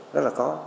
rất là khó